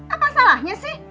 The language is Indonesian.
apa salahnya sih